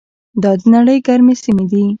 دا د نړۍ ګرمې سیمې دي.